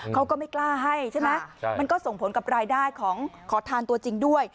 เขาก็ไม่กล้าให้ใช่ไหมมันก็ส่งผลกับรายได้ของขอทานตัวจริงด้วย